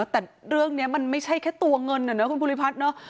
แต่เรื่องนี้มันไม่ใช่แค่ตัวเงินนะคุณภูริพัฒน์เนอะ